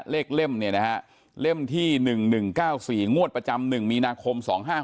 เล่มเนี่ยนะฮะเล่มที่๑๑๙๔งวดประจำ๑มีนาคม๒๕๖